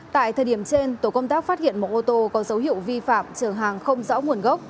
tại thời điểm trên tổ công tác phát hiện một ô tô có dấu hiệu vi phạm chở hàng không rõ nguồn gốc